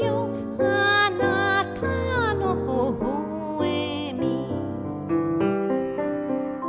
「あなたのほほえみ」